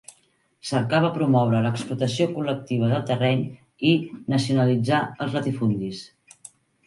Cercava promoure l'explotació col·lectiva del terreny, i nacionalitzar els latifundis.